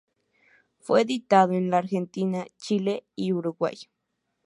Fue editado en la Argentina, Chile y Uruguay.